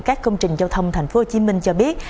các công trình giao thông tp hcm cho biết